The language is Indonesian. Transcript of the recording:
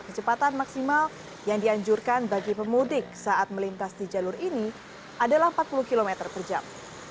kecepatan maksimal yang dianjurkan bagi pemudik saat melintas di jalur ini adalah empat puluh km per jam